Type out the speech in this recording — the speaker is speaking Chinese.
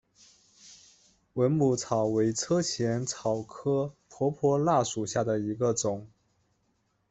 蚊母草为车前草科婆婆纳属下的一个种。